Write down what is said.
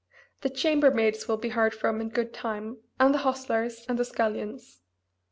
The chambermaids will be heard from in good time, and the hostlers, and the scullions.